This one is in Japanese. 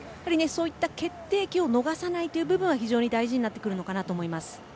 そういった決定機を逃さないという部分が非常に大事になると思います。